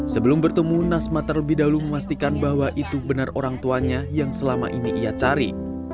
sebelum bertemu nasma terlebih dahulu memastikan bahwa itu benar orang tuanya yang selama ini ia cari